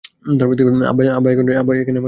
আব্বা এখানে আমার দমবন্ধ হয়ে আসছে।